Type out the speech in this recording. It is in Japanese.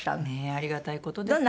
ありがたい事ですね。